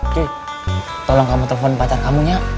cuy tolong kamu telepon pacar kamu ya